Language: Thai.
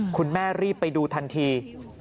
คุณแม่รีบไปดูทันที